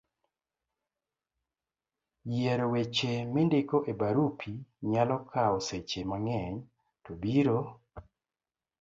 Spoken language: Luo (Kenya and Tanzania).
yiero weche mindiko e barupi nyalo kawo seche mang'eny to biro